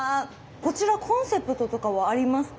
こちらコンセプトとかはありますか？